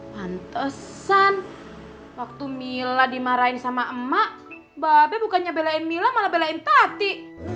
pantesan waktu mila dimarahin sama emak mbak abe bukannya belain mila malah belain tati